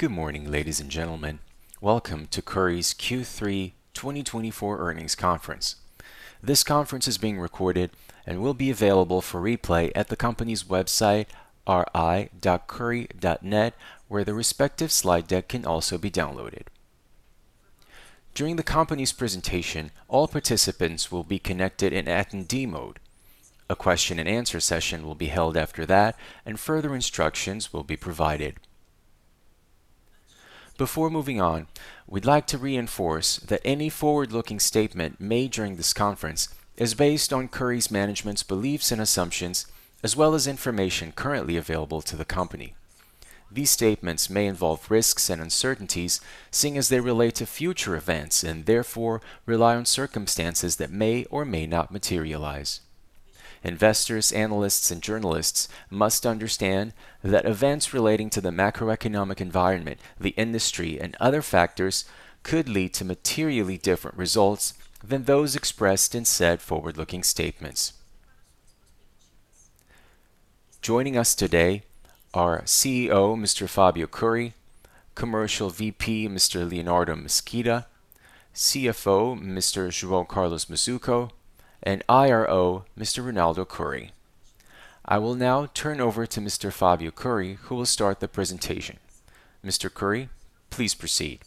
Good morning, ladies and gentlemen. Welcome to Cury's Q3 2024 earnings conference. This conference is being recorded and will be available for replay at the company's website, ri.cury.net, where the respective slide deck can also be downloaded. During the company's presentation, all participants will be connected in attendee mode. A question-and-answer session will be held after that, and further instructions will be provided. Before moving on, we'd like to reinforce that any forward-looking statement made during this conference is based on Cury's management's beliefs and assumptions, as well as information currently available to the company. These statements may involve risks and uncertainties, seeing as they relate to future events and therefore rely on circumstances that may or may not materialize. Investors, analysts, and journalists must understand that events relating to the macroeconomic environment, the industry, and other factors could lead to materially different results than those expressed in said forward-looking statements. Joining us today are CEO Mr. Fabio Cury, Commercial VP Mr. Leonardo Mesquita, CFO Mr. João Carlos Mazzuco, and IRO Mr. Ronaldo Cury. I will now turn over to Mr. Fabio Cury, who will start the presentation. Mr. Cury, please proceed.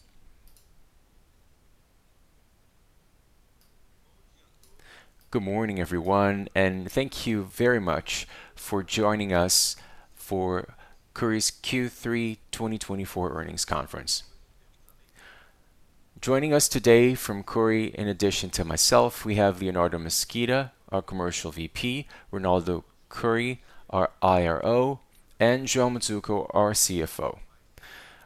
Good morning, everyone, and thank you very much for joining us for Cury's Q3 2024 earnings conference. Joining us today from Cury, in addition to myself, we have Leonardo Mesquita, our Commercial VP; Ronaldo Cury, our IRO; and João Mazzuco, our CFO.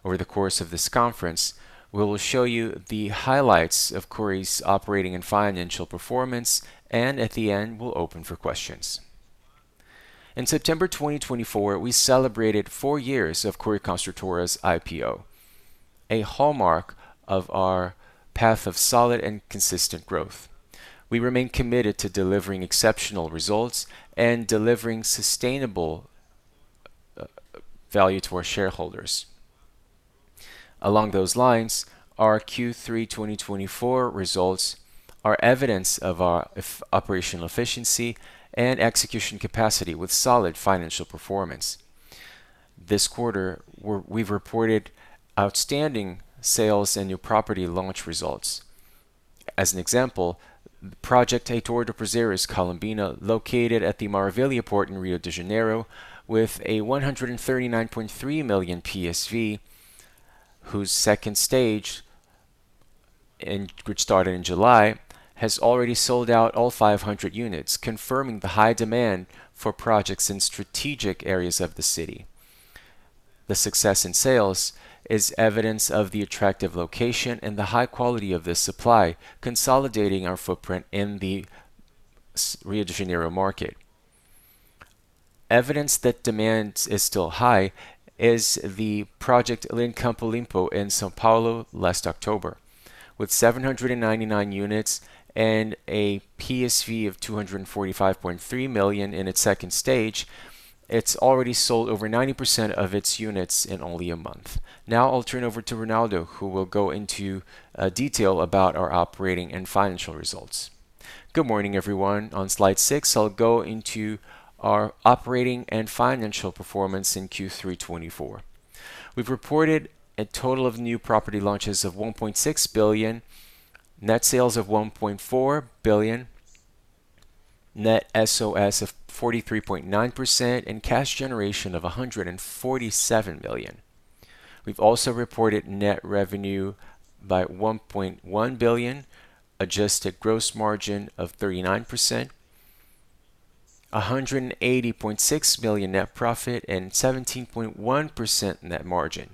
Over the course of this conference, we will show you the highlights of Cury's operating and financial performance, and at the end, we'll open for questions. In September 2024, we celebrated four years of Cury Construtora's IPO, a hallmark of our path of solid and consistent growth. We remain committed to delivering exceptional results and delivering sustainable value to our shareholders. Along those lines, our Q3 2024 results are evidence of our operational efficiency and execution capacity with solid financial performance. This quarter, we've reported outstanding sales and new property launch results. As an example, Project Heitor dos Prazeres Colombina, located at the Porto Maravilha in Rio de Janeiro, with a 139.3 million PSV, whose second stage started in July, has already sold out all 500 units, confirming the high demand for projects in strategic areas of the city. The success in sales is evidence of the attractive location and the high quality of this supply, consolidating our footprint in the Rio de Janeiro market. Evidence that demand is still high is the Link Campo Limpo project in São Paulo last October. With 799 units and a PSV of 245.3 million in its second stage, it's already sold over 90% of its units in only a month. Now I'll turn over to Ronaldo, who will go into detail about our operating and financial results. Good morning, everyone. On slide six, I'll go into our operating and financial performance in Q3 2024. We've reported a total of new property launches of 1.6 billion, net sales of 1.4 billion, net SOS of 43.9%, and cash generation of 147 million. We've also reported net revenue of 1.1 billion, adjusted gross margin of 39%, 180.6 million net profit, and 17.1% net margin.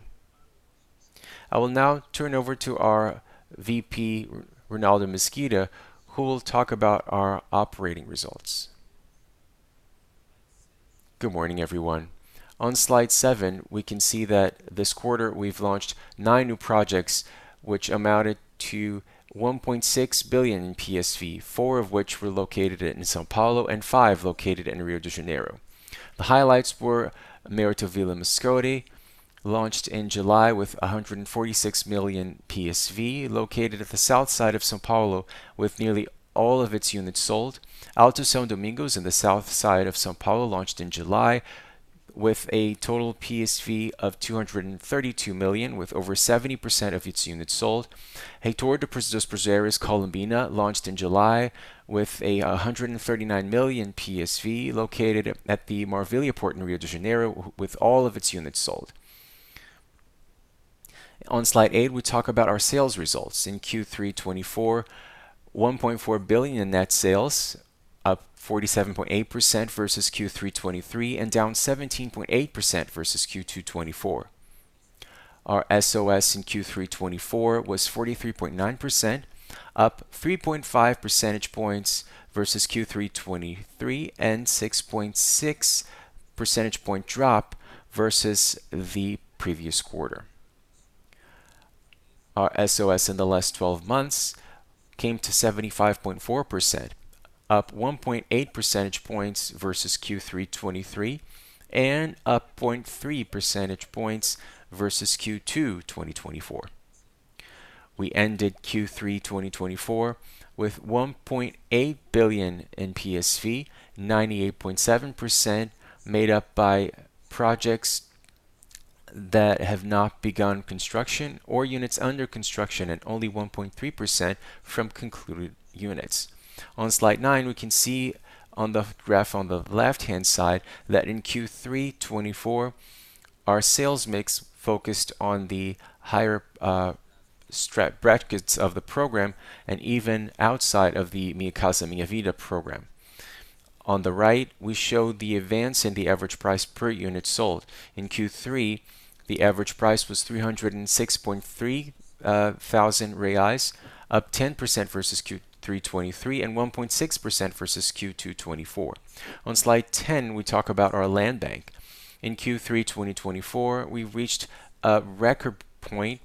I will now turn over to our VP Leonardo Mesquita, who will talk about our operating results. Good morning, everyone. On slide seven, we can see that this quarter we've launched nine new projects, which amounted to 1.6 billion in PSV, four of which were located in São Paulo and five located in Rio de Janeiro. The highlights were Mérito Vila Mascote, launched in July with 146 million PSV, located at the south side of São Paulo with nearly all of its units sold. Alto São Domingos in the south side of São Paulo launched in July with a total PSV of 232 million, with over 70% of its units sold. Heitor dos Prazeres Columbina launched in July with a 139 million PSV, located at the Porto Maravilha in Rio de Janeiro, with all of its units sold. On slide eight, we talk about our sales results in Q3 2024: 1.4 billion in net sales, up 47.8% versus Q3 2023, and down 17.8% versus Q2 2024. Our SOS in Q3 2024 was 43.9%, up 3.5 percentage points versus Q3 2023, and a 6.6 percentage point drop versus the previous quarter. Our SOS in the last 12 months came to 75.4%, up 1.8 percentage points versus Q3 2023, and up 0.3 percentage points versus Q2 2024. We ended Q3 2024 with 1.8 billion in PSV, 98.7% made up by projects that have not begun construction or units under construction, and only 1.3% from concluded units. On slide nine, we can see on the graph on the left-hand side that in Q3 2024, our sales mix focused on the higher brackets of the program and even outside of the Minha Casa, Minha Vida program. On the right, we show the advance and the average price per unit sold. In Q3, the average price was 306.3 thousand reais, up 10% versus Q3 2023, and 1.6% versus Q2 2024. On slide ten, we talk about our land bank. In Q3 2024, we reached a record point,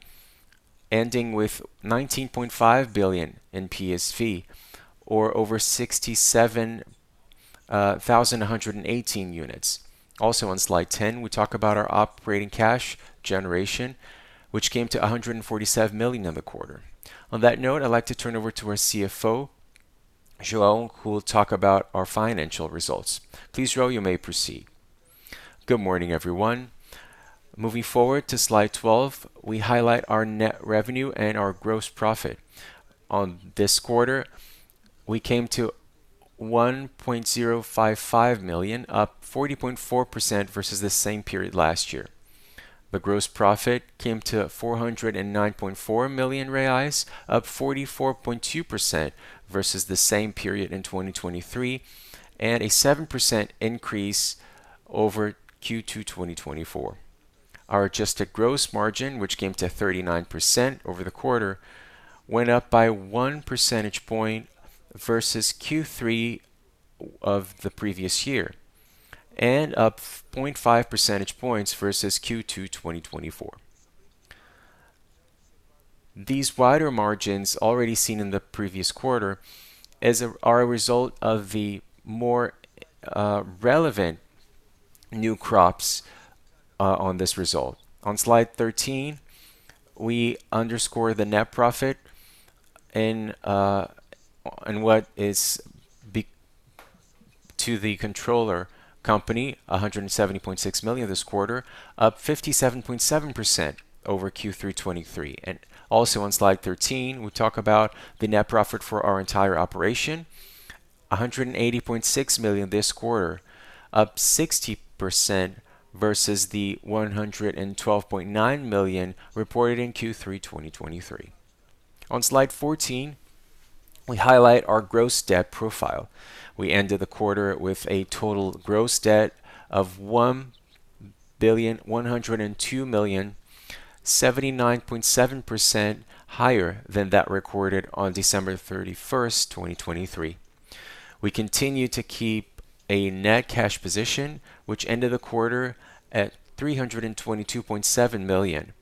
ending with 19.5 billion in PSV, or over 67,118 units. Also, on slide ten, we talk about our operating cash generation, which came to 147 million in the quarter. On that note, I'd like to turn over to our CFO, João, who will talk about our financial results. Please, João, you may proceed. Good morning, everyone. Moving forward to slide 12, we highlight our net revenue and our gross profit. On this quarter, we came to 1.055 million, up 40.4% versus the same period last year. The gross profit came to 409.4 million reais, up 44.2% versus the same period in 2023, and a 7% increase over Q2 2024. Our adjusted gross margin, which came to 39% over the quarter, went up by 1 percentage point versus Q3 of the previous year and up 0.5 percentage points versus Q2 2024. These wider margins, already seen in the previous quarter, are a result of the more relevant new crops on this result. On slide 13, we underscore the net profit and what is to the controller company, 170.6 million this quarter, up 57.7% over Q3 2023. And also, on slide 13, we talk about the net profit for our entire operation, 180.6 million this quarter, up 60% versus the 112.9 million reported in Q3 2023. On slide 14, we highlight our gross debt profile. We ended the quarter with a total gross debt of 1,102 million, 79.7% higher than that recorded on December 31, 2023. We continue to keep a net cash position, which ended the quarter at 322.7 million,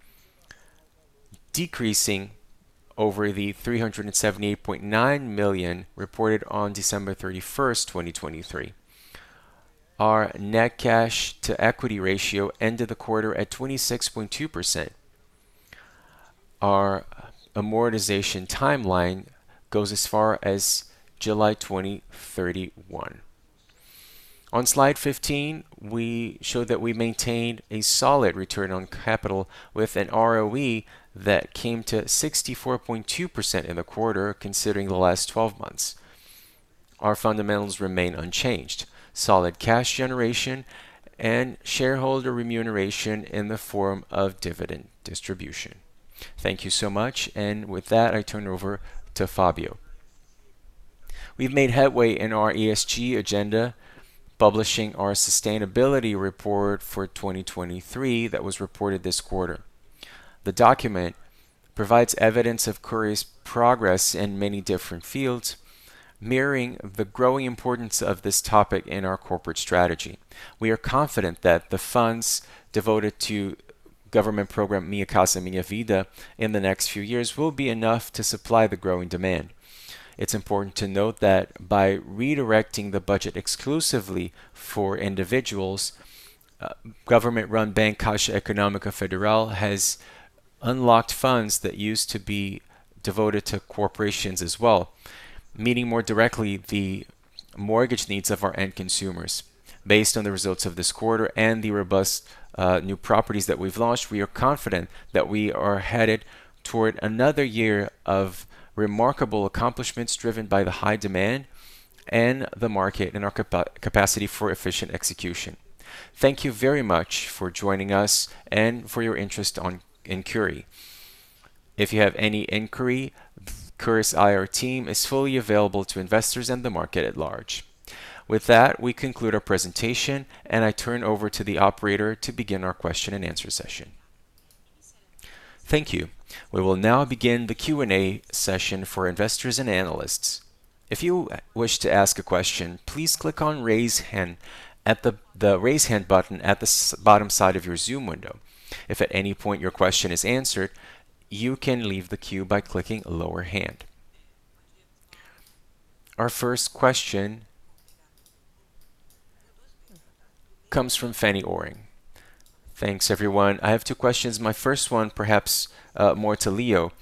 decreasing over the 378.9 million reported on December 31, 2023. Our net cash to equity ratio ended the quarter at 26.2%. Our amortization timeline goes as far as July 2031. On slide 15, we show that we maintained a solid return on capital with an ROE that came to 64.2% in the quarter, considering the last 12 months. Our fundamentals remain unchanged: solid cash generation and shareholder remuneration in the form of dividend distribution. Thank you so much. And with that, I turn over to Fabio. We've made headway in our ESG agenda, publishing our sustainability report for 2023 that was reported this quarter. The document provides evidence of Cury's progress in many different fields, mirroring the growing importance of this topic in our corporate strategy. We are confident that the funds devoted to government program Minha Casa, Minha Vida in the next few years will be enough to supply the growing demand. It's important to note that by redirecting the budget exclusively for individuals, government-run Banco Caixa Econômica Federal has unlocked funds that used to be devoted to corporations as well, meeting more directly the mortgage needs of our end consumers. Based on the results of this quarter and the robust new properties that we've launched, we are confident that we are headed toward another year of remarkable accomplishments driven by the high demand and the market and our capacity for efficient execution. Thank you very much for joining us and for your interest in Cury. If you have any inquiry, Cury's IRO team is fully available to investors and the market at large. With that, we conclude our presentation, and I turn over to the operator to begin our question and answer session. Thank you. We will now begin the Q&A session for investors and analysts. If you wish to ask a question, please click on Raise Hand at the Raise Hand button at the bottom side of your Zoom window. If at any point your question is answered, you can leave the queue by clicking Lower Hand. Our first question comes from Fanny Oreng. Thanks, everyone. I have two questions. My first one, perhaps more to Leo.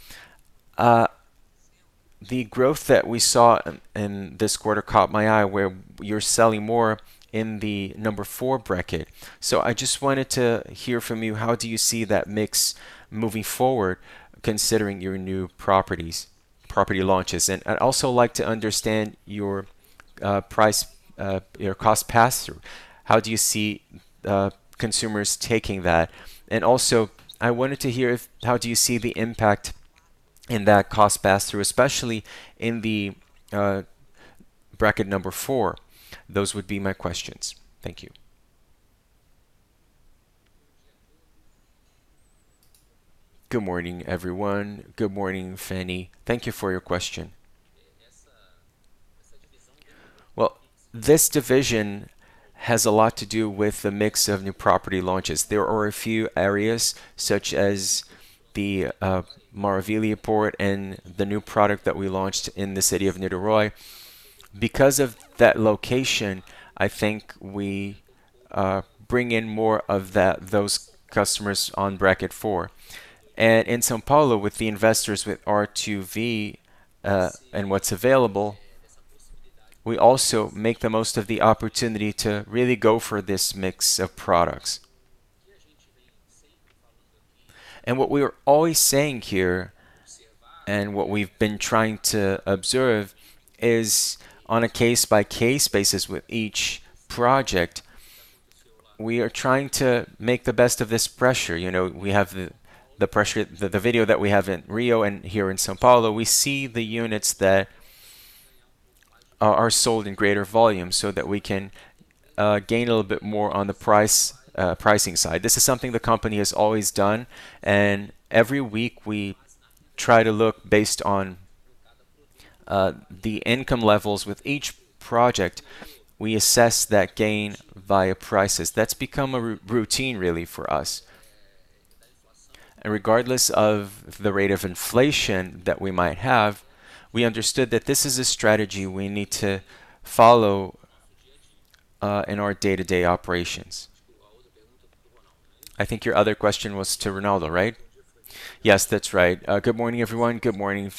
The growth that we saw in this quarter caught my eye, where you're selling more in the number four bracket. So I just wanted to hear from you, how do you see that mix moving forward, considering your new property launches? and I'd also like to understand your cost pass-through? How do you see consumers taking that? And also, I wanted to hear how do you see the impact in that cost pass-through, especially in the bracket number four? Those would be my questions. Thank you. Good morning, everyone. Good morning, Fanny. Thank you for your question. Well, this division has a lot to do with the mix of new property launches. There are a few areas, such as the Porto Maravilha and the new product that we launched in the city of Niterói. Because of that location, I think we bring in more of those customers on bracket four. And in São Paulo, with the investors, with R2V and what's available, we also make the most of the opportunity to really go for this mix of products. And what we're always saying here, and what we've been trying to observe, is on a case-by-case basis with each project, we are trying to make the best of this pressure. We have the VGV that we have in Rio and here in São Paulo. We see the units that are sold in greater volume so that we can gain a little bit more on the pricing side. This is something the company has always done. And every week, we try to look based on the income levels with each project. We assess that gain via prices. That's become a routine, really, for us. And regardless of the rate of inflation that we might have, we understood that this is a strategy we need to follow in our day-to-day operations. I think your other question was to Ronaldo, right? Yes, that's right. Good morning, everyone. Good morning,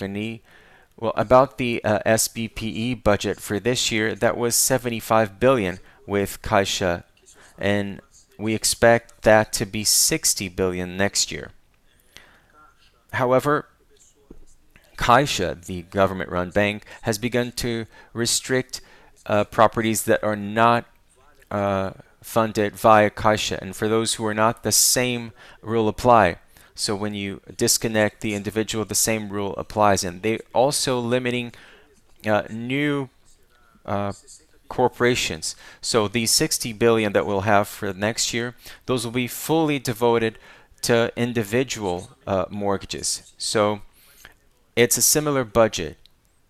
Fanny. About the SBPE budget for this year, that was 75 billion with Caixa, and we expect that to be 60 billion next year. However, Caixa, the government-run bank, has begun to restrict properties that are not funded via Caixa. And for those who are not, the same rule applies. So when you disconnect the individual, the same rule applies. And they're also limiting new corporations. So the 60 billion that we'll have for next year, those will be fully devoted to individual mortgages. So it's a similar budget.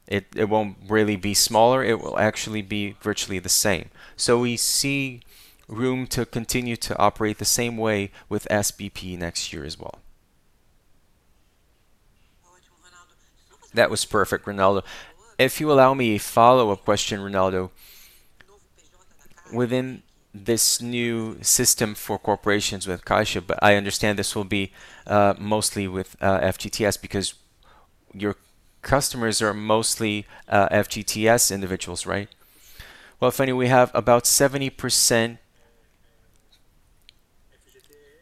It won't really be smaller. It will actually be virtually the same. So we see room to continue to operate the same way with SBPE next year as well. That was perfect, Ronaldo. If you allow me a follow-up question, Ronaldo, within this new system for corporations with Caixa, but I understand this will be mostly with FGTS because your customers are mostly FGTS individuals, right? Well, Fanny, we have about 70%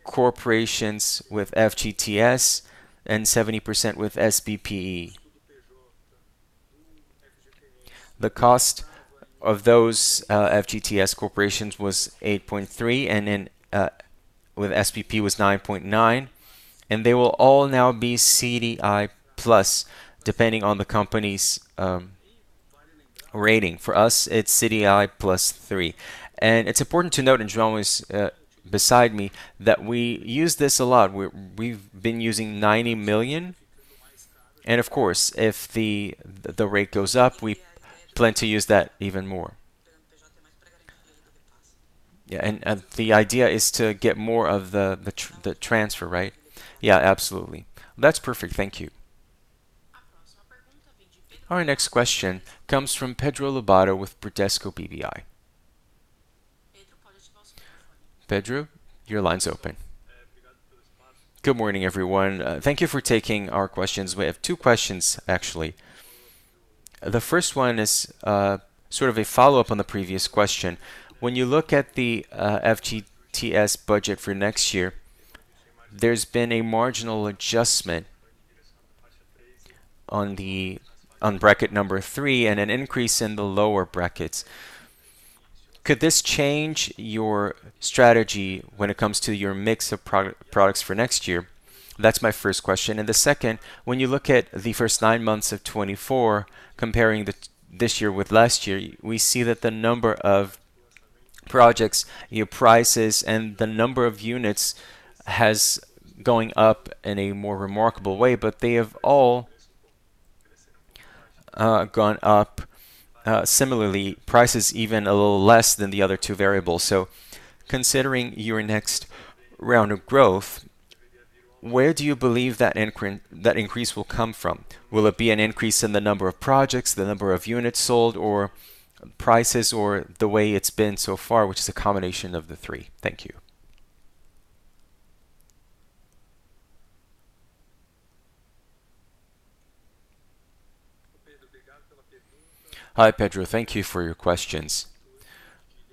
corporations with FGTS and 70% with SBPE. The cost of those FGTS corporations was 8.3%, and then with SBPE was 9.9%. And they will all now be CDI plus, depending on the company's rating. For us, it's CDI plus 3%. And it's important to note, and João is beside me, that we use this a lot. We've been using 90 million. And of course, if the rate goes up, we plan to use that even more. Yeah. And the idea is to get more of the transfer, right? Yeah, absolutely. That's perfect. Thank you. Our next question comes from Pedro Lobato with Bradesco BBI. Pedro, your line's open. Good morning, everyone. Thank you for taking our questions. We have two questions, actually. The first one is sort of a follow-up on the previous question. When you look at the FGTS budget for next year, there's been a marginal adjustment on bracket number three and an increase in the lower brackets. Could this change your strategy when it comes to your mix of products for next year? That's my first question, and the second, when you look at the first nine months of 2024, comparing this year with last year, we see that the number of projects, your prices, and the number of units has gone up in a more remarkable way, but they have all gone up similarly, prices even a little less than the other two variables, so considering your next round of growth, where do you believe that increase will come from? Will it be an increase in the number of projects, the number of units sold, or prices, or the way it's been so far, which is a combination of the three? Thank you. Hi, Pedro. Thank you for your questions.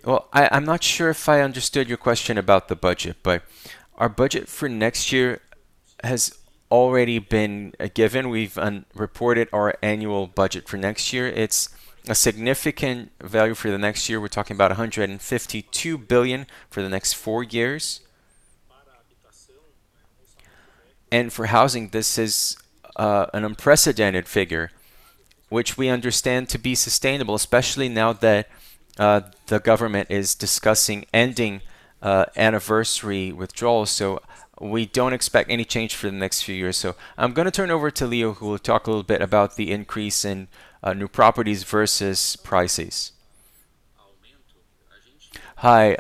Well, I'm not sure if I understood your question about the budget, but our budget for next year has already been given. We've reported our annual budget for next year. It's a significant value for the next year. We're talking about 152 billion for the next four years. And for housing, this is an unprecedented figure, which we understand to be sustainable, especially now that the government is discussing ending anniversary withdrawals. So we don't expect any change for the next few years. So I'm going to turn over to Leo, who will talk a little bit about the increase in new properties versus prices. Hi,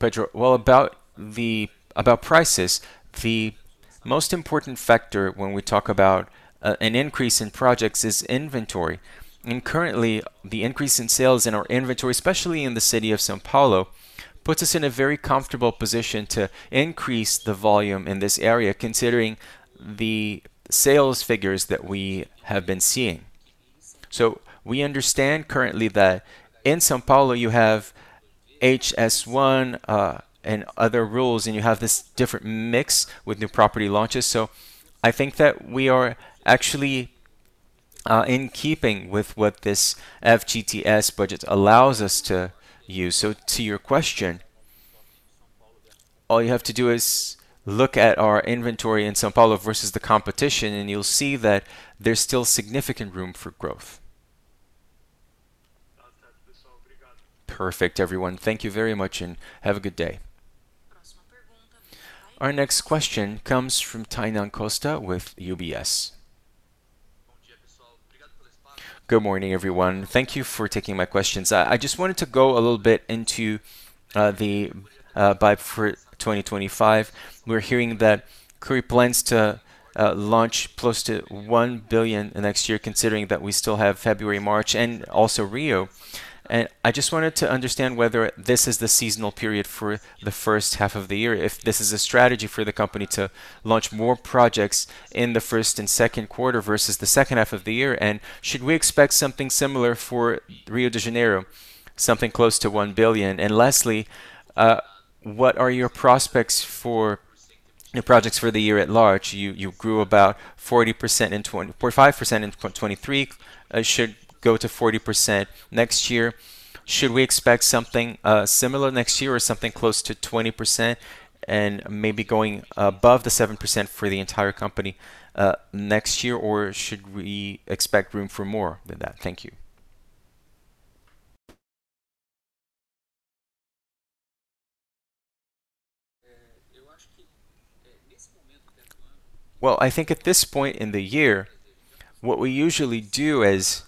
Pedro. About prices, the most important factor when we talk about an increase in projects is inventory. Currently, the increase in sales and our inventory, especially in the city of São Paulo, puts us in a very comfortable position to increase the volume in this area, considering the sales figures that we have been seeing. We understand currently that in São Paulo, you have HIS 1 and other rules, and you have this different mix with new property launches. I think that we are actually in keeping with what this FGTS budget allows us to use. To your question, all you have to do is look at our inventory in São Paulo versus the competition, and you'll see that there's still significant room for growth. Perfect, everyone. Thank you very much, and have a good day. Our next question comes from Tainan Costa with UBS. Good morning, everyone. Thank you for taking my questions. I just wanted to go a little bit into the buy for 2025. We're hearing that Cury plans to launch close to 1 billion next year, considering that we still have February, March, and also Rio. And I just wanted to understand whether this is the seasonal period for the first half of the year, if this is a strategy for the company to launch more projects in the first and second quarter versus the second half of the year. And should we expect something similar for Rio de Janeiro, something close to 1 billion? And lastly, what are your prospects for new projects for the year at large? You grew about 40% in 2024, 5% in 2023, should go to 40% next year. Should we expect something similar next year or something close to 20% and maybe going above the 7% for the entire company next year, or should we expect room for more than that? Thank you. I think at this point in the year, what we usually do is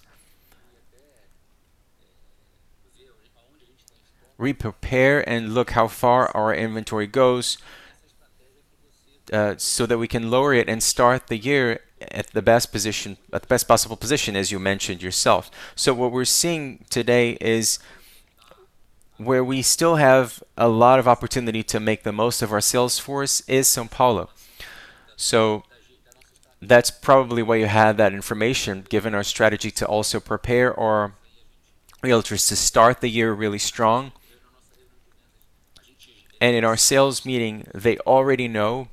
re-prepare and look how far our inventory goes so that we can lower it and start the year at the best possible position, as you mentioned yourself. What we're seeing today is where we still have a lot of opportunity to make the most of our sales force is São Paulo. That's probably why you have that information, given our strategy to also prepare our realtors to start the year really strong. In our sales meeting, they already know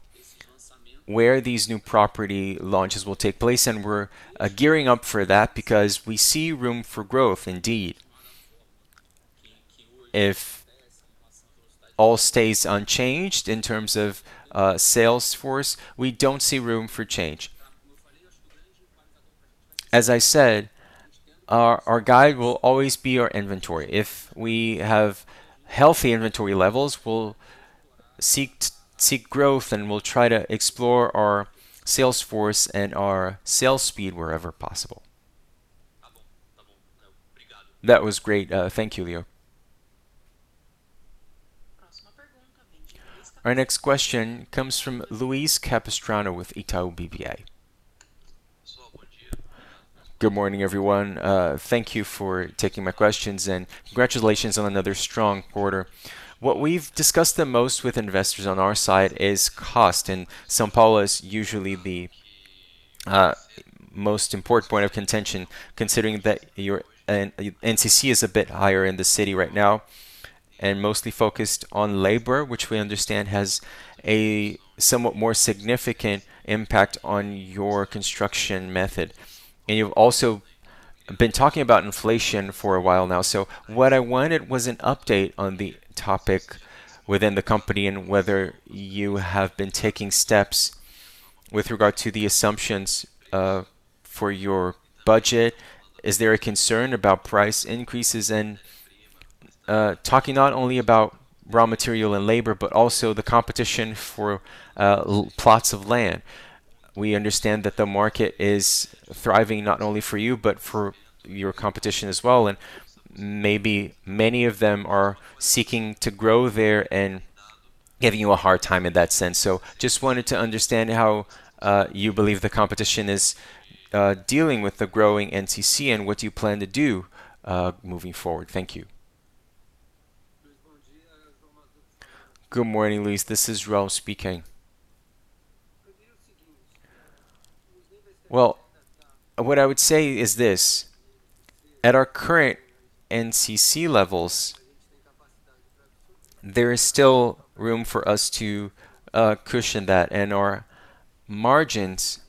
where these new property launches will take place. We're gearing up for that because we see room for growth, indeed. If all stays unchanged in terms of sales force, we don't see room for change. As I said, our guide will always be our inventory. If we have healthy inventory levels, we'll seek growth, and we'll try to explore our sales force and our sales speed wherever possible. That was great. Thank you, Leo. Our next question comes from Luiz Capistrano with Itaú BBI. Good morning, everyone. Thank you for taking my questions, and congratulations on another strong quarter. What we've discussed the most with investors on our side is cost, and São Paulo is usually the most important point of contention, considering that your INCC is a bit higher in the city right now and mostly focused on labor, which we understand has a somewhat more significant impact on your construction method. You've also been talking about inflation for a while now. So what I wanted was an update on the topic within the company and whether you have been taking steps with regard to the assumptions for your budget. Is there a concern about price increases and talking not only about raw material and labor, but also the competition for plots of land? We understand that the market is thriving not only for you, but for your competition as well. And maybe many of them are seeking to grow there and giving you a hard time in that sense. So just wanted to understand how you believe the competition is dealing with the growing INCC and what you plan to do moving forward. Thank you. Good morning, Luiz. This is João speaking. What I would say is this: at our current INCC levels, there is still room for us to cushion that, and our margins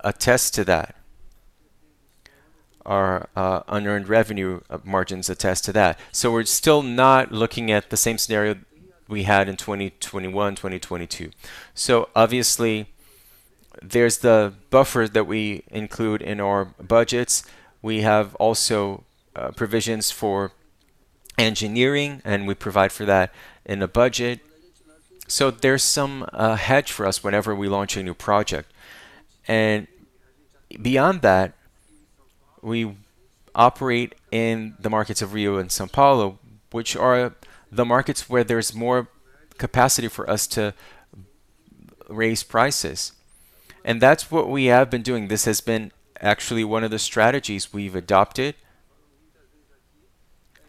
attest to that. Our unearned revenue margins attest to that. So we're still not looking at the same scenario we had in 2021, 2022. So obviously, there's the buffer that we include in our budgets. We have also provisions for engineering, and we provide for that in the budget. So there's some hedge for us whenever we launch a new project. And beyond that, we operate in the markets of Rio and São Paulo, which are the markets where there's more capacity for us to raise prices. And that's what we have been doing. This has been actually one of the strategies we've adopted,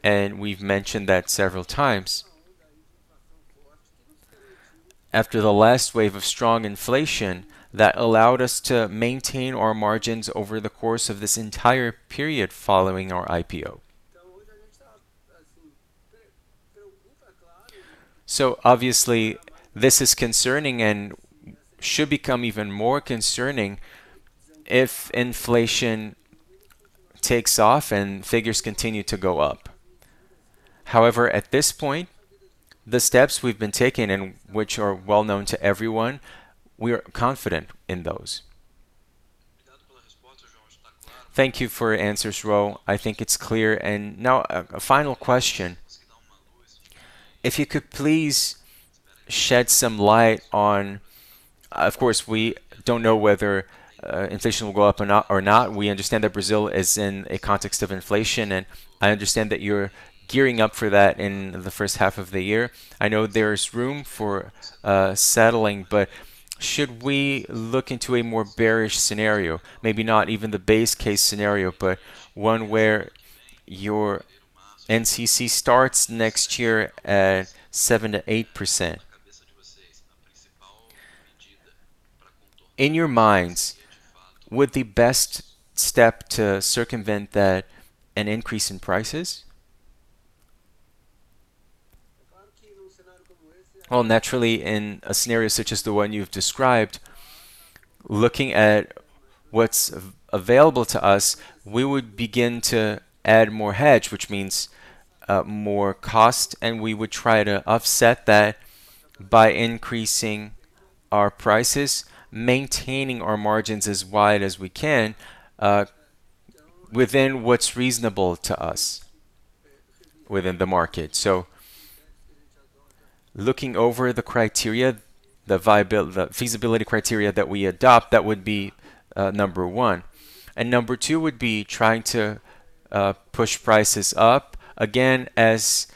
and we've mentioned that several times after the last wave of strong inflation that allowed us to maintain our margins over the course of this entire period following our IPO. So obviously, this is concerning and should become even more concerning if inflation takes off and figures continue to go up. However, at this point, the steps we've been taking, which are well known to everyone, we are confident in those. Thank you for your answers, João. I think it's clear, and now, a final question. If you could please shed some light on, of course, we don't know whether inflation will go up or not. We understand that Brazil is in a context of inflation, and I understand that you're gearing up for that in the first half of the year. I know there's room for settling, but should we look into a more bearish scenario? Maybe not even the base case scenario, but one where your INCC starts next year at 7%-8%. In your mind, would the best step to circumvent that an increase in prices? Well, naturally, in a scenario such as the one you've described, looking at what's available to us, we would begin to add more hedge, which means more cost, and we would try to offset that by increasing our prices, maintaining our margins as wide as we can within what's reasonable to us within the market, so looking over the criteria, the feasibility criteria that we adopt, that would be number one, and number two would be trying to push prices up again as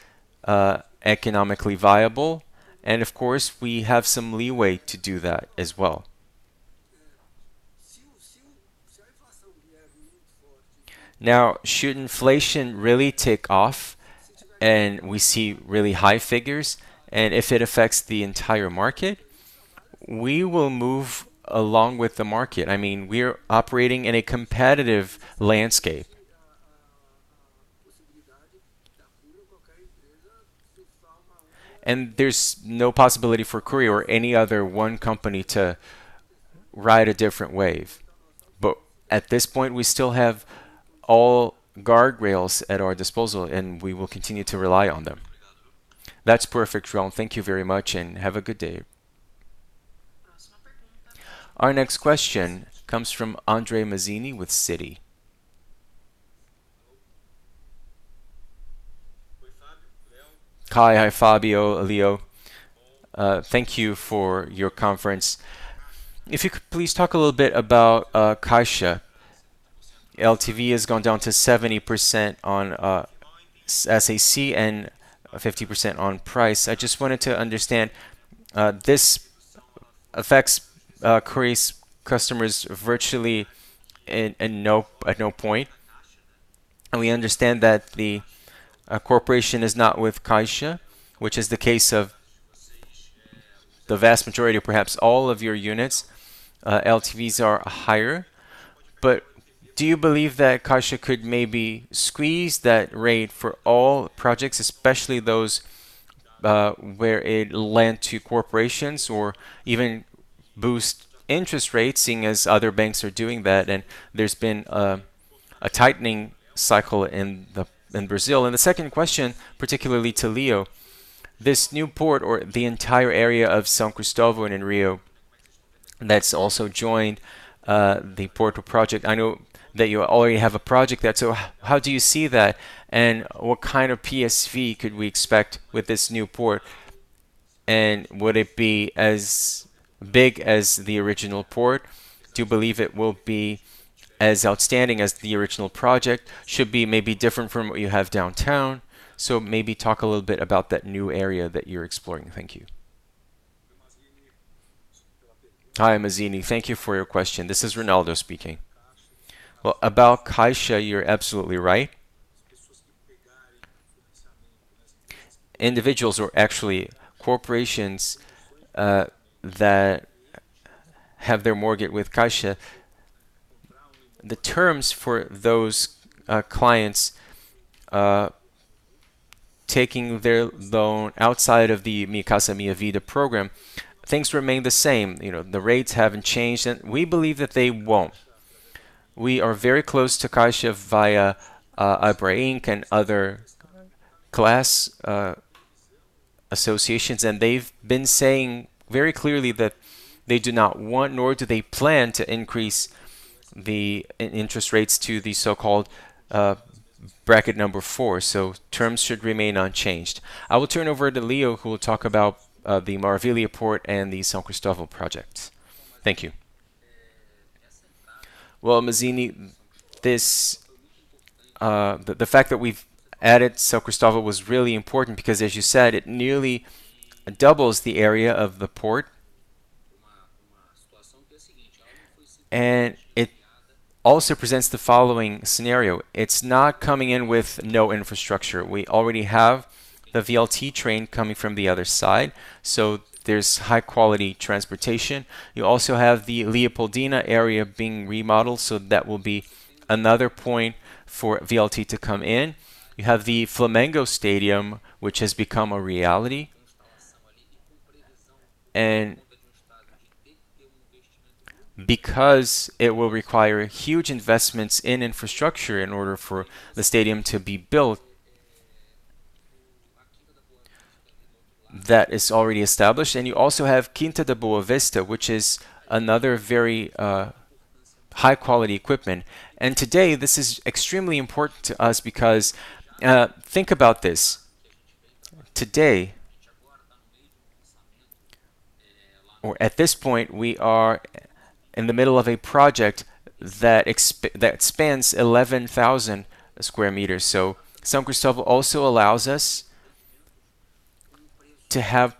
economically viable, and of course, we have some leeway to do that as well. Now, should inflation really take off and we see really high figures, and if it affects the entire market, we will move along with the market. I mean, we're operating in a competitive landscape, and there's no possibility for Cury or any other one company to ride a different wave. But at this point, we still have all guardrails at our disposal, and we will continue to rely on them. That's perfect, João. Thank you very much, and have a good day. Our next question comes from André Mazini with Citi. Hi, hi Fabio, Leo. Thank you for your conference. If you could please talk a little bit about Caixa. LTV has gone down to 70% on SAC and 50% on Price. I just wanted to understand this affects Cury's customers virtually at no point. We understand that the corporation is not with Caixa, which is the case of the vast majority, perhaps all of your units. LTVs are higher. But do you believe that Caixa could maybe squeeze that rate for all projects, especially those where it lent to corporations, or even boost interest rates, seeing as other banks are doing that, and there's been a tightening cycle in Brazil? And the second question, particularly to Leo, this new port or the entire area of São Cristóvão in Rio that's also joined the Porto project. I know that you already have a project there. So how do you see that? And what kind of PSV could we expect with this new port? And would it be as big as the original port? Do you believe it will be as outstanding as the original project? Should be maybe different from what you have downtown? Maybe talk a little bit about that new area that you're exploring. Thank you. Hi, Mazzini. Thank you for your question. This is Ronaldo speaking. About Caixa, you're absolutely right. Individuals or actually corporations that have their mortgage with Caixa, the terms for those clients taking their loan outside of the Minha Casa, Minha Vida program, things remain the same. The rates haven't changed, and we believe that they won't. We are very close to Caixa via ABRAINC and other class associations, and they've been saying very clearly that they do not want, nor do they plan to increase the interest rates to the so-called bracket number four. Terms should remain unchanged. I will turn over to Leo, who will talk about the Porto Maravilha and the São Cristóvão project. Thank you. Mazini, the fact that we've added São Cristóvão was really important because, as you said, it nearly doubles the area of the port. And it also presents the following scenario. It's not coming in with no infrastructure. We already have the VLT train coming from the other side, so there's high-quality transportation. You also have the Leopoldina area being remodeled, so that will be another point for VLT to come in. You have the Flamengo Stadium, which has become a reality. And because it will require huge investments in infrastructure in order for the stadium to be built that is already established. And you also have Quinta da Boa Vista, which is another very high-quality equipment. And today, this is extremely important to us because think about this. Today, or at this point, we are in the middle of a project that expands 11,000 square meters. So São Cristóvão also allows us to have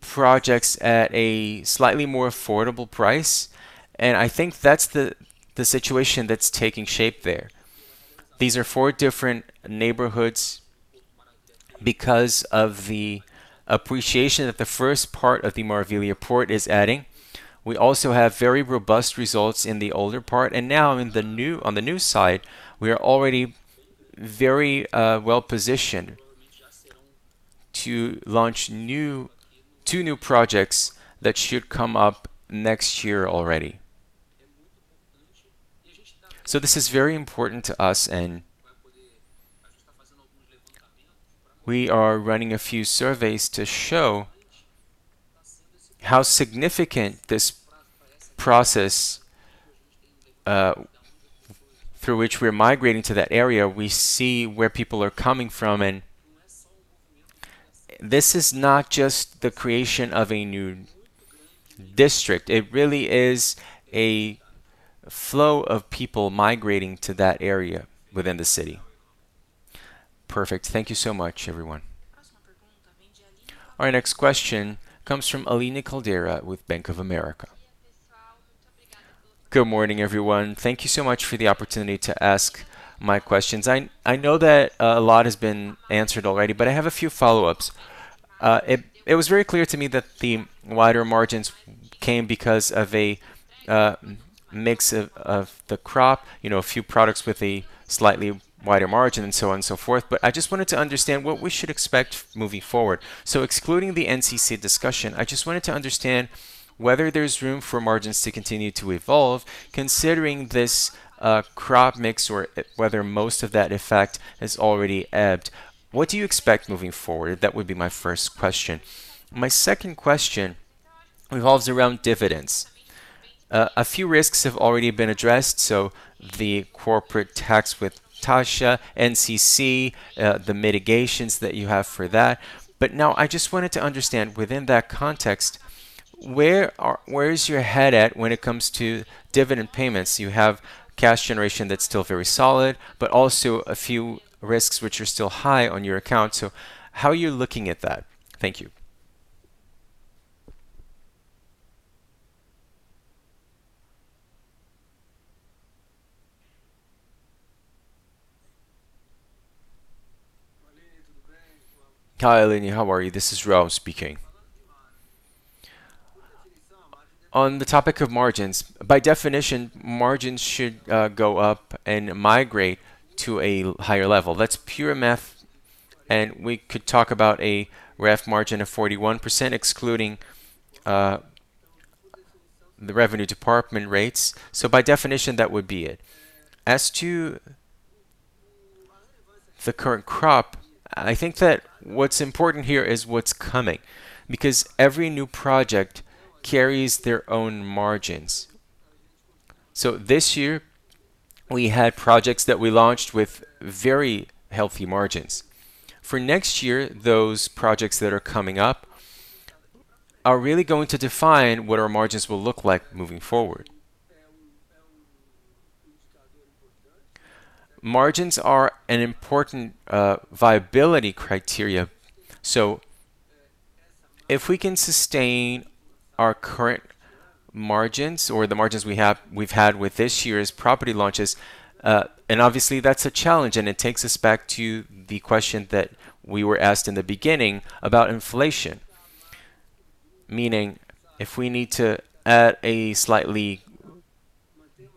projects at a slightly more affordable price. And I think that's the situation that's taking shape there. These are four different neighborhoods because of the appreciation that the first part of Porto Maravilha is adding. We also have very robust results in the older part. And now, on the new side, we are already very well positioned to launch two new projects that should come up next year already. So this is very important to us. And we are running a few surveys to show how significant this process through which we're migrating to that area. We see where people are coming from, and this is not just the creation of a new district. It really is a flow of people migrating to that area within the city. Perfect. Thank you so much, everyone. Our next question comes from Aline Caldeira with Bank of America. Good morning, everyone. Thank you so much for the opportunity to ask my questions. I know that a lot has been answered already, but I have a few follow-ups. It was very clear to me that the wider margins came because of a mix of the crop, a few products with a slightly wider margin, and so on and so forth. But I just wanted to understand what we should expect moving forward. So excluding the INCC discussion, I just wanted to understand whether there's room for margins to continue to evolve considering this crop mix or whether most of that effect has already ebbed. What do you expect moving forward? That would be my first question. My second question revolves around dividends. A few risks have already been addressed, so the corporate tax with Caixa, INCC, the mitigations that you have for that. But now, I just wanted to understand within that context, where is your head at when it comes to dividend payments? You have cash generation that's still very solid, but also a few risks which are still high on your account. So how are you looking at that? Thank you. Hi, Aline. How are you? This is João speaking. On the topic of margins, by definition, margins should go up and migrate to a higher level. That's pure math, and we could talk about a ref margin of 41% excluding the revenue department rates. So by definition, that would be it. As to the current crop, I think that what's important here is what's coming because every new project carries their own margins. So this year, we had projects that we launched with very healthy margins. For next year, those projects that are coming up are really going to define what our margins will look like moving forward. Margins are an important viability criteria. So if we can sustain our current margins or the margins we've had with this year's property launches, and obviously, that's a challenge, and it takes us back to the question that we were asked in the beginning about inflation, meaning if we need to add a slightly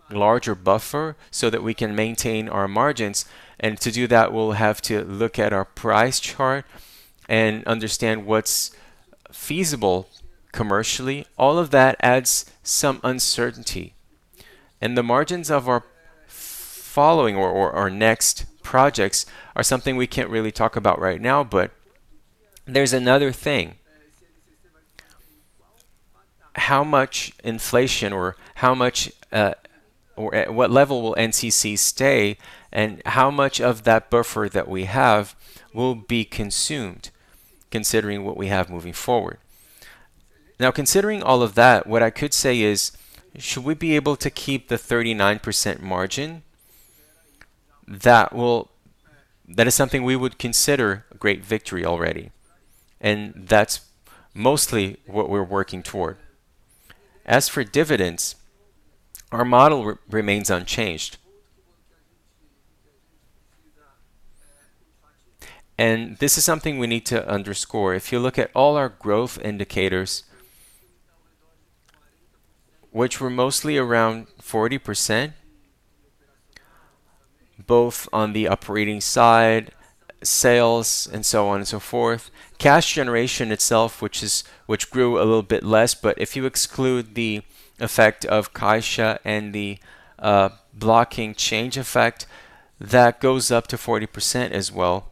larger buffer so that we can maintain our margins. And to do that, we'll have to look at our price chart and understand what's feasible commercially. All of that adds some uncertainty. And the margins of our following or our next projects are something we can't really talk about right now, but there's another thing. How much inflation or what level will INCC stay, and how much of that buffer that we have will be consumed considering what we have moving forward? Now, considering all of that, what I could say is, should we be able to keep the 39% margin? That is something we would consider a great victory already, and that's mostly what we're working toward. As for dividends, our model remains unchanged, and this is something we need to underscore. If you look at all our growth indicators, which were mostly around 40%, both on the operating side, sales, and so on and so forth, cash generation itself, which grew a little bit less, but if you exclude the effect of Caixa and the blocking change effect, that goes up to 40% as well.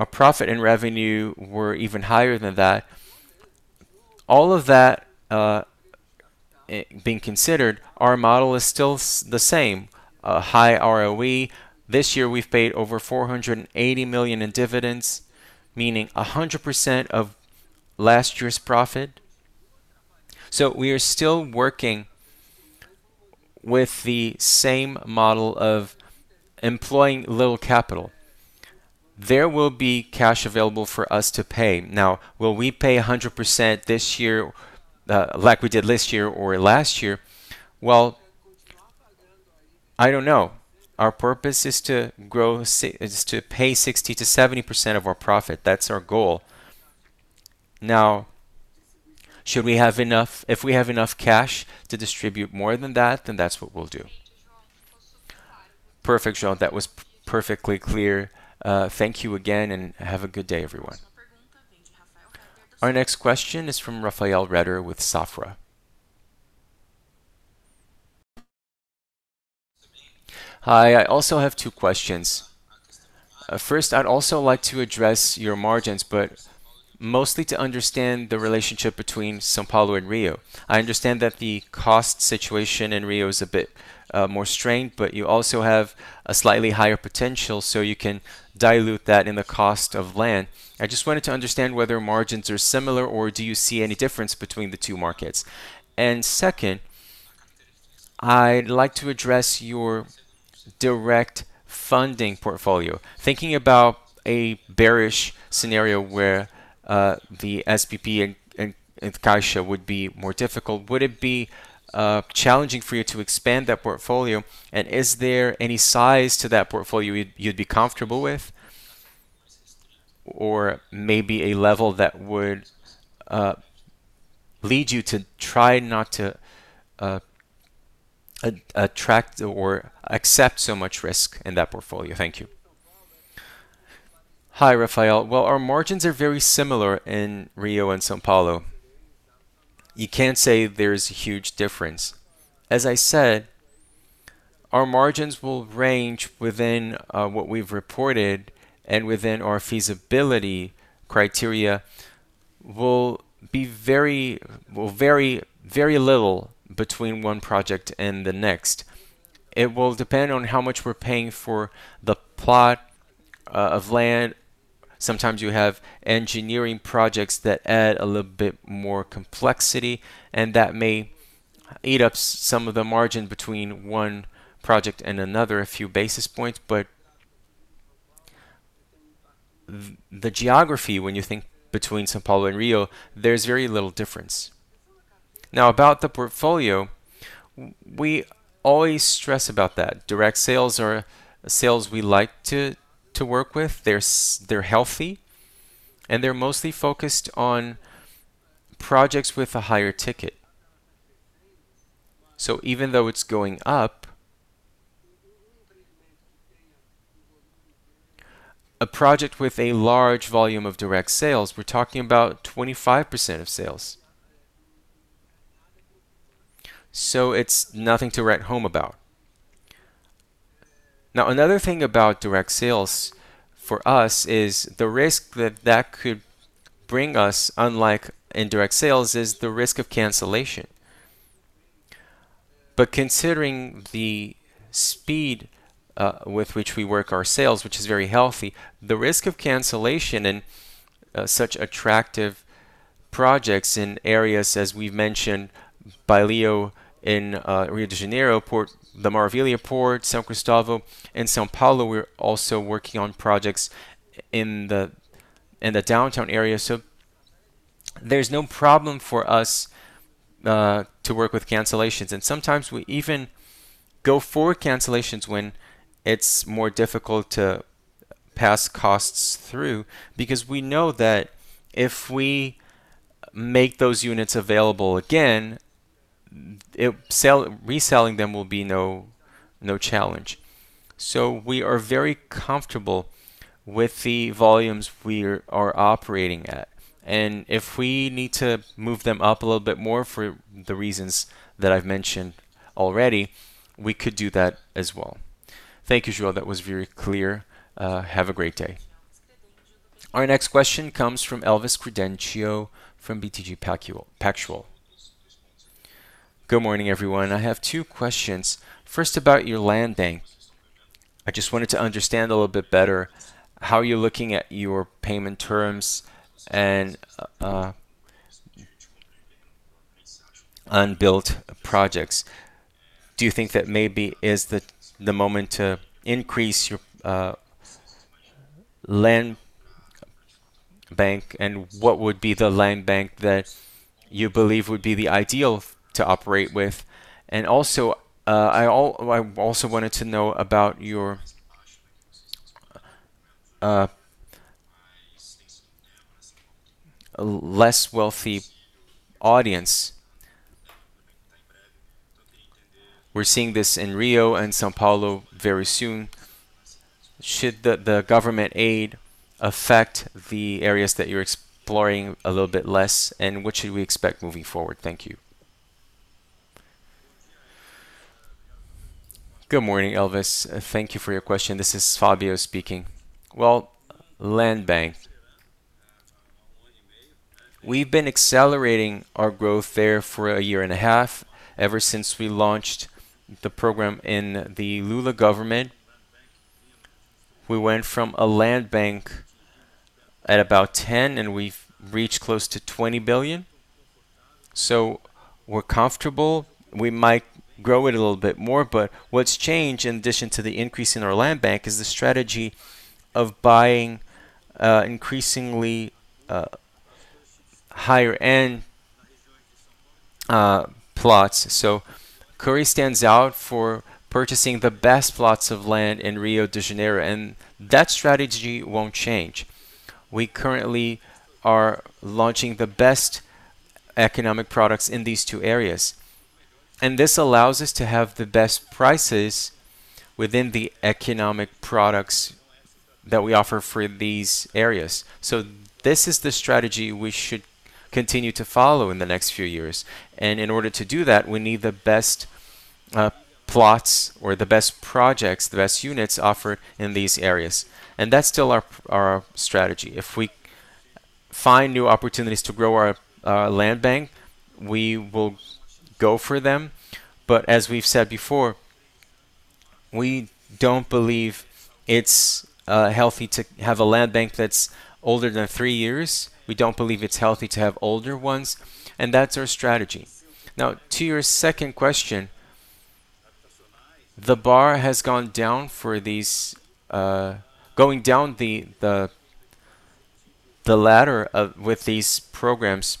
Our profit and revenue were even higher than that. All of that being considered, our model is still the same: high ROE. This year, we've paid over 480 million in dividends, meaning 100% of last year's profit. So we are still working with the same model of employing little capital. There will be cash available for us to pay. Now, will we pay 100% this year like we did last year or last year? Well, I don't know. Our purpose is to pay 60%-70% of our profit. That's our goal. Now, should we have enough? If we have enough cash to distribute more than that, then that's what we'll do. Perfect, João. That was perfectly clear. Thank you again, and have a good day, everyone. Our next question is from Rafael Rehder with Safra. Hi. I also have two questions. First, I'd also like to address your margins, but mostly to understand the relationship between São Paulo and Rio. I understand that the cost situation in Rio is a bit more strained, but you also have a slightly higher potential, so you can dilute that in the cost of land. I just wanted to understand whether margins are similar or do you see any difference between the two markets. And second, I'd like to address your direct funding portfolio. Thinking about a bearish scenario where the SBPE and Caixa would be more difficult, would it be challenging for you to expand that portfolio? And is there any size to that portfolio you'd be comfortable with or maybe a level that would lead you to try not to attract or accept so much risk in that portfolio? Thank you. Hi, Rafael. Our margins are very similar in Rio and São Paulo. You can't say there's a huge difference. As I said, our margins will range within what we've reported, and within our feasibility criteria, we'll vary very little between one project and the next. It will depend on how much we're paying for the plot of land. Sometimes you have engineering projects that add a little bit more complexity, and that may eat up some of the margin between one project and another a few basis points. But the geography, when you think between São Paulo and Rio, there's very little difference. Now, about the portfolio, we always stress about that. Direct sales are sales we like to work with. They're healthy, and they're mostly focused on projects with a higher ticket. So even though it's going up, a project with a large volume of direct sales, we're talking about 25% of sales. So it's nothing to write home about. Now, another thing about direct sales for us is the risk that that could bring us, unlike indirect sales, is the risk of cancellation. But considering the speed with which we work our sales, which is very healthy, the risk of cancellation in such attractive projects in areas, as we've mentioned, Baileio in Rio de Janeiro, Porto Maravilha, São Cristóvão, and São Paulo, we're also working on projects in the downtown area. So there's no problem for us to work with cancellations. And sometimes we even go forward cancellations when it's more difficult to pass costs through because we know that if we make those units available again, reselling them will be no challenge. So we are very comfortable with the volumes we are operating at. And if we need to move them up a little bit more for the reasons that I've mentioned already, we could do that as well. Thank you, João. That was very clear. Have a great day. Our next question comes from Elvis Credendio from BTG Pactual. Good morning, everyone. I have two questions. First, about your land bank. I just wanted to understand a little bit better how you're looking at your payment terms and unbuilt projects. Do you think that maybe is the moment to increase your land bank, and what would be the land bank that you believe would be the ideal to operate with? And also, I also wanted to know about your less wealthy audience. We're seeing this in Rio and São Paulo very soon. Should the government aid affect the areas that you're exploring a little bit less, and what should we expect moving forward? Thank you. Good morning, Elvis. Thank you for your question. This is Fabio speaking. Well, land bank. We've been accelerating our growth there for a year and a half. Ever since we launched the program in the Lula government, we went from a land bank at about 10 billion, and we've reached close to 20 billion. So we're comfortable. We might grow it a little bit more, but what's changed in addition to the increase in our land bank is the strategy of buying increasingly higher-end plots. So CURI stands out for purchasing the best plots of land in Rio de Janeiro, and that strategy won't change. We currently are launching the best economic products in these two areas. And this allows us to have the best prices within the economic products that we offer for these areas. So this is the strategy we should continue to follow in the next few years. And in order to do that, we need the best plots or the best projects, the best units offered in these areas. And that's still our strategy. If we find new opportunities to grow our land bank, we will go for them. But as we've said before, we don't believe it's healthy to have a land bank that's older than three years. We don't believe it's healthy to have older ones. And that's our strategy. Now, to your second question, the bar has gone down for these going down the ladder with these programs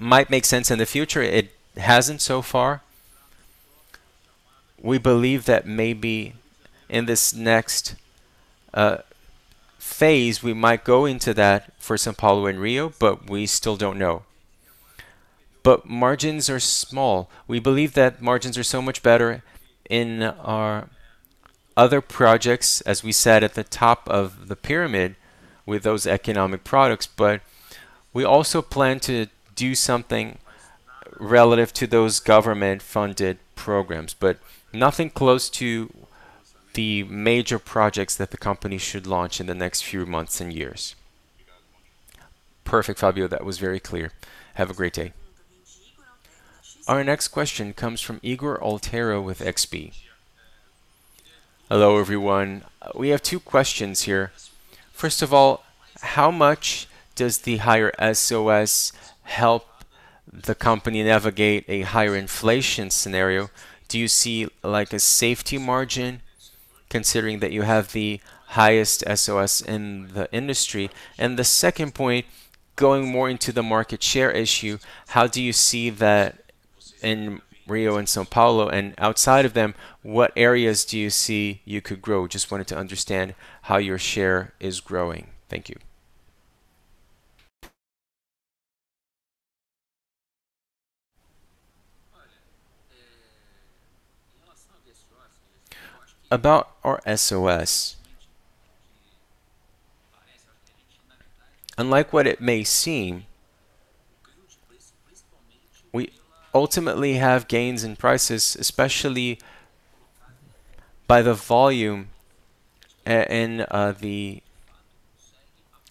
might make sense in the future. It hasn't so far. We believe that maybe in this next phase, we might go into that for São Paulo and Rio, but we still don't know. But margins are small. We believe that margins are so much better in our other projects, as we said at the top of the pyramid, with those economic products. But we also plan to do something relative to those government-funded programs, but nothing close to the major projects that the company should launch in the next few months and years. Perfect, Fabio. That was very clear. Have a great day. Our next question comes from Ygor Altero with XP. Hello, everyone. We have two questions here. First of all, how much does the higher SOS help the company navigate a higher inflation scenario? Do you see a safety margin considering that you have the highest SOS in the industry? And the second point, going more into the market share issue, how do you see that in Rio and São Paulo and outside of them, what areas do you see you could grow? Just wanted to understand how your share is growing. Thank you. About our SOS, unlike what it may seem, we ultimately have gains in prices, especially by the volume and the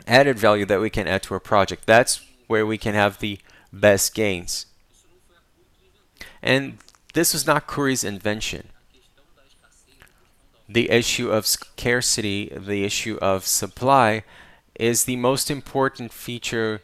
added value that we can add to our project. That's where we can have the best gains. And this is not CURI's invention. The issue of scarcity, the issue of supply is the most important feature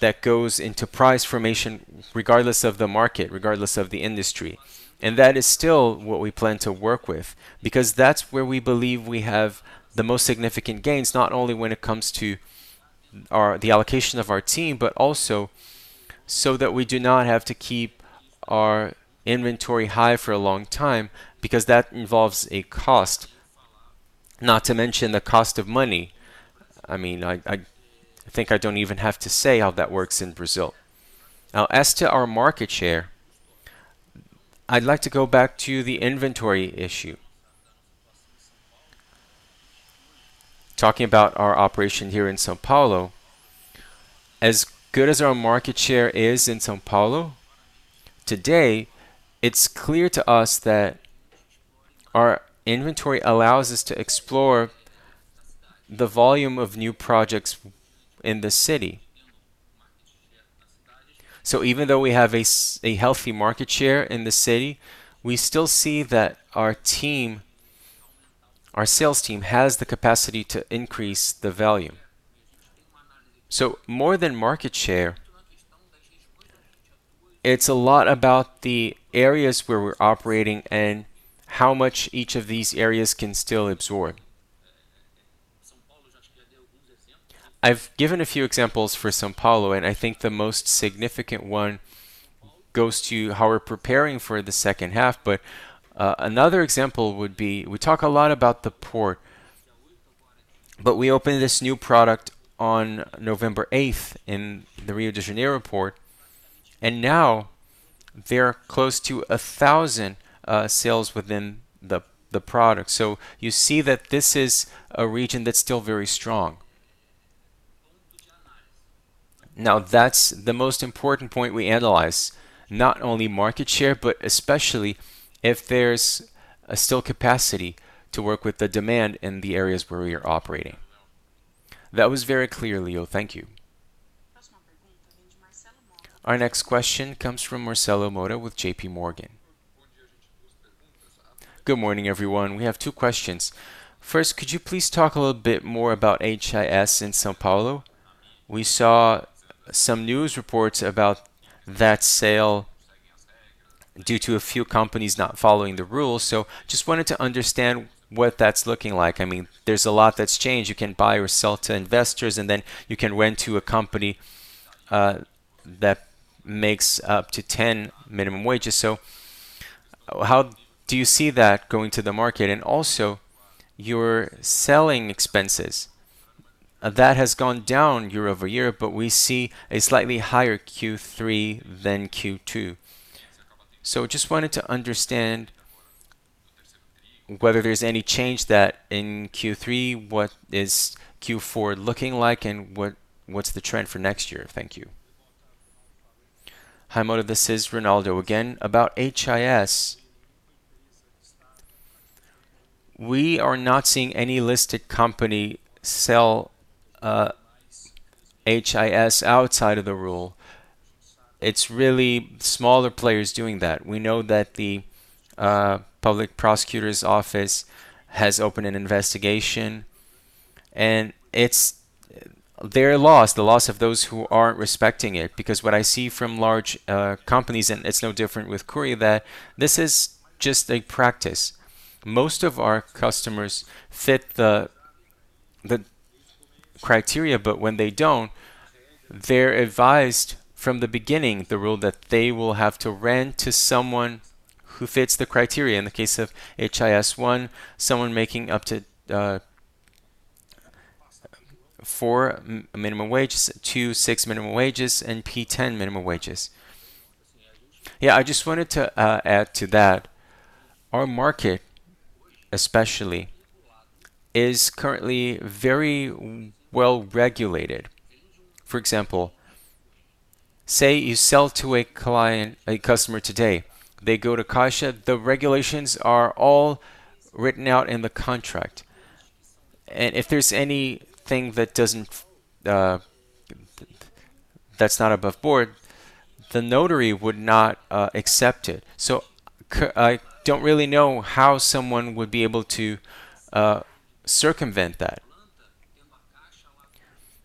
that goes into price formation regardless of the market, regardless of the industry. That is still what we plan to work with because that's where we believe we have the most significant gains, not only when it comes to the allocation of our team, but also so that we do not have to keep our inventory high for a long time because that involves a cost, not to mention the cost of money. I mean, I think I don't even have to say how that works in Brazil. Now, as to our market share, I'd like to go back to the inventory issue. Talking about our operation here in São Paulo, as good as our market share is in São Paulo, today, it's clear to us that our inventory allows us to explore the volume of new projects in the city. So even though we have a healthy market share in the city, we still see that our team, our sales team, has the capacity to increase the volume. So more than market share, it's a lot about the areas where we're operating and how much each of these areas can still absorb. I've given a few examples for São Paulo, and I think the most significant one goes to how we're preparing for the second half. But another example would be we talk a lot about the port. But we opened this new product on November 8th in the Rio de Janeiro port, and now they're close to 1,000 sales within the product. So you see that this is a region that's still very strong. Now, that's the most important point we analyze, not only market share, but especially if there's still capacity to work with the demand in the areas where we are operating. That was very clear, Leo. Thank you. Our next question comes from Marcelo Motta with J.P. Morgan. Good morning, everyone. We have two questions. First, could you please talk a little bit more about HIS in São Paulo? We saw some news reports about that sale due to a few companies not following the rules. So just wanted to understand what that's looking like. I mean, there's a lot that's changed. You can buy or sell to investors, and then you can rent to a company that makes up to 10 minimum wages. So how do you see that going to the market? And also, your selling expenses that has gone down year over year, but we see a slightly higher Q3 than Q2. So just wanted to understand whether there's any change in Q3, what is Q4 looking like, and what's the trend for next year. Thank you. Hi Mauro, this is Ronaldo. Again, about HIS, we are not seeing any listed company sell HIS outside of the rule. It's really smaller players doing that. We know that the Public Prosecutor's Office has opened an investigation, and it's their loss, the loss of those who aren't respecting it. Because what I see from large companies, and it's no different with Cury, that this is just a practice. Most of our customers fit the criteria, but when they don't, they're advised from the beginning the rule that they will have to rent to someone who fits the criteria. In the case of HIS 1, someone making up to four minimum wages, 2.6 minimum wages, and 10 minimum wages. Yeah, I just wanted to add to that. Our market, especially, is currently very well regulated. For example, say you sell to a customer today, they go to Caixa, the regulations are all written out in the contract. And if there's anything that's not above board, the notary would not accept it. So I don't really know how someone would be able to circumvent that.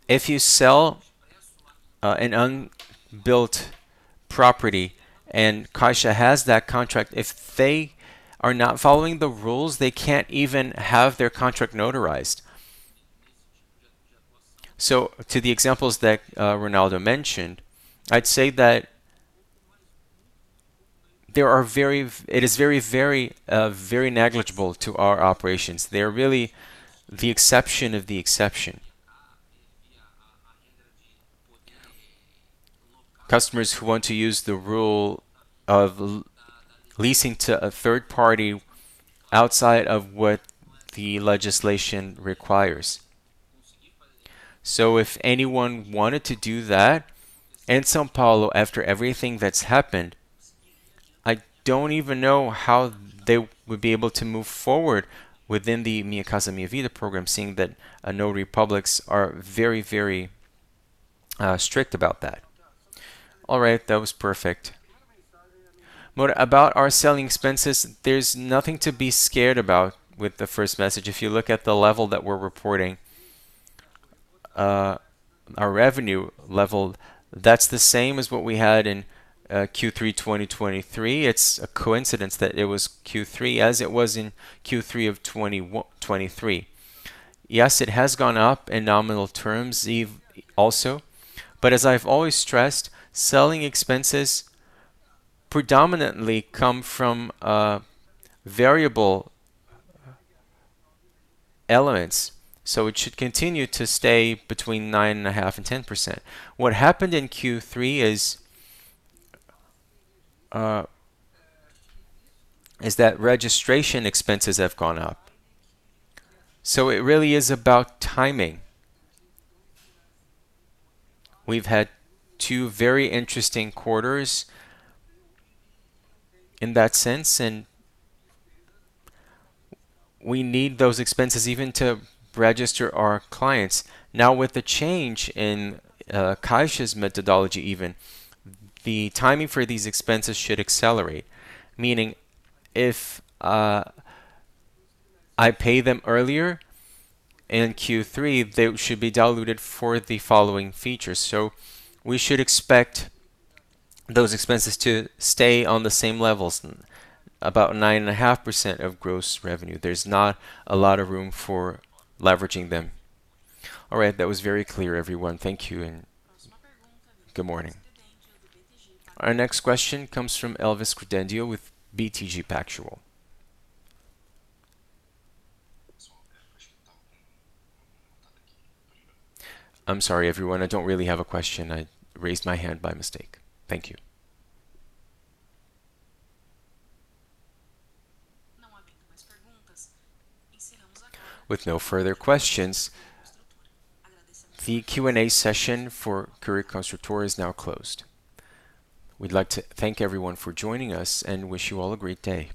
If you sell an unbuilt property and Caixa has that contract, if they are not following the rules, they can't even have their contract notarized. So to the examples that Ronaldo mentioned, I'd say that it is very, very, very negligible to our operations. They're really the exception of the exception. Customers who want to use the rule of leasing to a third party outside of what the legislation requires. So if anyone wanted to do that in São Paulo after everything that's happened, I don't even know how they would be able to move forward within the Minha Casa, Minha Vida program, seeing that the notaries are very, very strict about that. All right, that was perfect. Mauro, about our selling expenses, there's nothing to be scared about with the first message. If you look at the level that we're reporting, our revenue level, that's the same as what we had in Q3 2023. It's a coincidence that it was Q3 as it was in Q3 of 2023. Yes, it has gone up in nominal terms also. But as I've always stressed, selling expenses predominantly come from variable elements. So it should continue to stay between 9.5%-10%. What happened in Q3 is that registration expenses have gone up. So it really is about timing. We've had two very interesting quarters in that sense, and we need those expenses even to register our clients. Now, with the change in Caixa's methodology, even the timing for these expenses should accelerate, meaning if I pay them earlier in Q3, they should be diluted for the following quarters. So we should expect those expenses to stay on the same levels, about 9.5% of gross revenue. There's not a lot of room for leveraging them. All right, that was very clear, everyone. Thank you and good morning. Our next question comes from Elvis Credendio with BTG Pactual. I'm sorry, everyone. I don't really have a question. I raised my hand by mistake. Thank you. The Q&A session for Cury Construtora is now closed. We'd like to thank everyone for joining us and wish you all a great day.